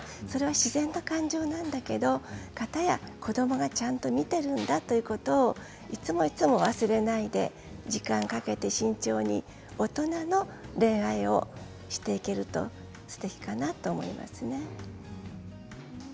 それは自然な感情なんだけどかたや、子どもがちゃんと見ているんだということをいつもいつも忘れないで時間をかけて慎重に大人の恋愛をしていけるとすてきかなと思いますね。